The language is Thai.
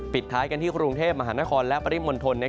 ปิดท้ายกันที่กรุงเทพมหานครและปริมณฑล